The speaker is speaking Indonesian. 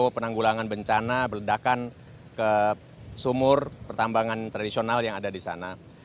penanggulangan bencana berledakan ke sumur pertambangan tradisional yang ada di sana